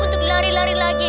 untuk lari lari lagi